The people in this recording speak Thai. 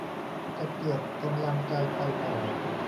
จะเกิดกำลังใจไปต่อ